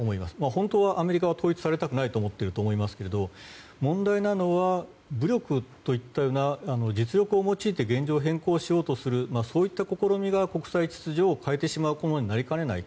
本当はアメリカは統一されたくないと思っていると思いますけれど問題なのは武力といったような実力を用いて現状を変更しようとするそういった試みが国際秩序を変えてしまうことになりかねない。